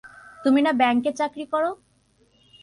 তুমি না ব্যাংকে চাকরি করো?